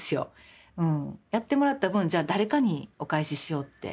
やってもらった分じゃあ誰かにお返ししようって。